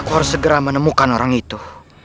harus segera menemukan orang itu